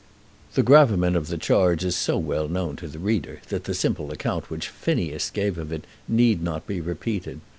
The gravamen of the charge is so well known to the reader that the simple account which Phineas gave of it need not be repeated.